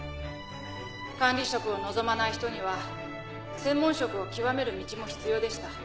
管理職を望まない人には専門職を極める道も必要でした。